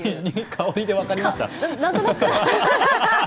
香りで分かりました？